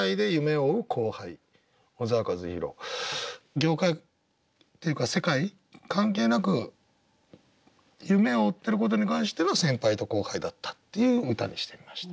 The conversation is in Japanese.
業界っていうか世界関係なく夢を追ってることに関しては先輩と後輩だったっていう歌にしてみました。